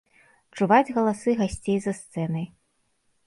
Чуваць галасы гасцей за сцэнай.